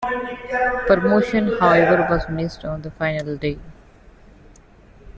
Promotion, however, was missed on the final day.